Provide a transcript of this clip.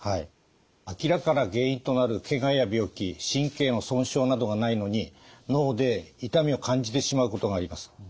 明らかな原因となるけがや病気神経の損傷などがないのに脳で痛みを感じてしまうことがあります。